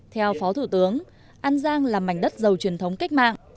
theo phó thủ tướng an giang là mảnh đất giàu truyền thống cách mạng